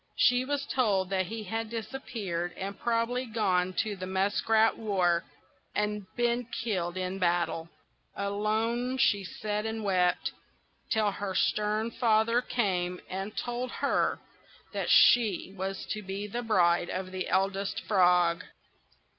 She was told that he had disappeared, had probably gone to the Muskrat War, and been killed in battle. Alone she sat and wept, till her stern father came and told her that she was to be the bride of the Eldest Frog.